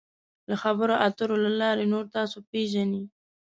د خبرو اترو له لارې نور تاسو پیژني.